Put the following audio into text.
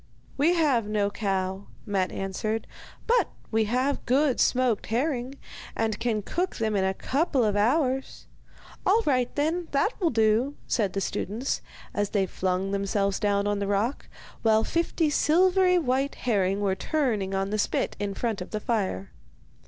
'We have no cow,' Matte answered; 'but we have good smoked herring, and can cook them in a couple of hours.' 'All right, then, that will do,' said the students, as they flung themselves down on the rock, while fifty silvery white herring were turning on the spit in front of the fire.